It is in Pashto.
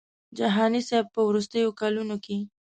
جهاني صاحب په وروستیو کلونو کې.